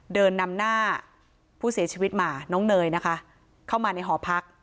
เดินนำหน้าผู้เสียชีวิตมาน้องเนยนะคะเข้ามาในหอพัก